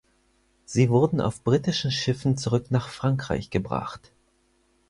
Sie wurden auf britischen Schiffen zurück nach Frankreich gebracht.